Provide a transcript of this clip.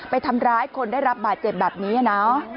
ไปทำร้ายคนได้รับบาดเจ็บแบบนี้นะ